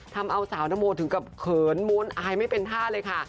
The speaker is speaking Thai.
ทำเอาสาวนโมถึงกับเขินม้วนอายไม่เป็นท่าเลยค่ะ